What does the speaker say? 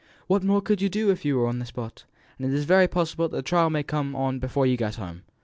What could you do more even if you were on the spot? And it is very possible that the trial may have come on before you get home.